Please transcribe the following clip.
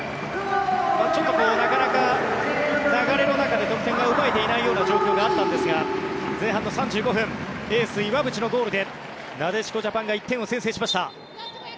ちょっと流れの中で得点が奪えていないような状況があったんですが前半の３５分エース、岩渕のゴールでなでしこジャパンが１点を先制しました。